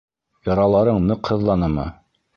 Яраларың ныҡ һыҙланымы?